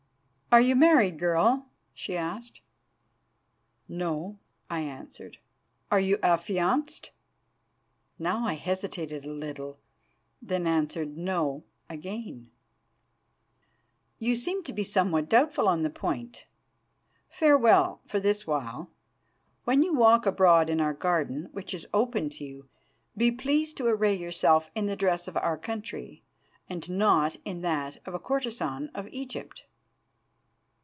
"'Are you married, girl?' she asked. "'No,' I answered. "'Are you affianced?' "Now I hesitated a little, then answered 'No' again. "'You seem to be somewhat doubtful on the point. Farewell for this while. When you walk abroad in our garden, which is open to you, be pleased to array yourself in the dress of our country, and not in that of a courtesan of Egypt.